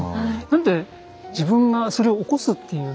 なので自分がそれを起こすっていう。